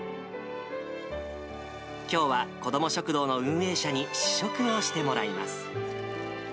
きょうは子ども食堂の運営者に試食をしてもらいます。